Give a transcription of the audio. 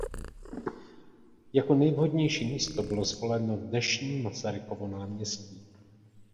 Jako nejvhodnější místo bylo zvoleno dnešní Masarykovo náměstí.